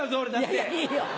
いやいやいいよ！